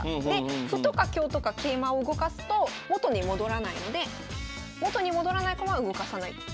で歩とか香とか桂馬を動かすと元に戻らないので元に戻らない駒は動かさない。